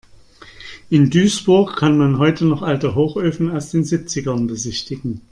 In Duisburg kann man heute noch alte Hochöfen aus den Siebzigern besichtigen.